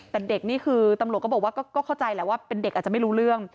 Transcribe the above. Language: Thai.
แต่เด็กนี่คือตำรวจก็บอกว่าก็เข้าใจแหละว่าเป็นเด็กอาจจะไม่รู้เรื่อง